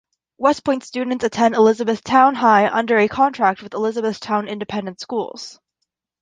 West Point students attend Elizabethtown High under a contract with the Elizabethtown Independent Schools.